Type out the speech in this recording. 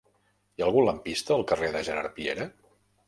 Hi ha algun lampista al carrer de Gerard Piera?